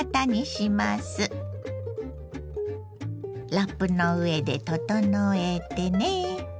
ラップの上で整えてね。